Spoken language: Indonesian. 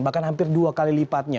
bahkan hampir dua kali lipatnya